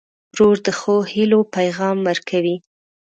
ورور ته د ښو هيلو پیغام ورکوې.